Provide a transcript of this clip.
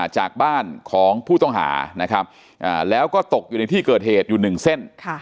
จากบ้านของผู้ต้องหานะครับแล้วก็ตกอยู่ในที่เกิดเหตุอยู่๑เส้น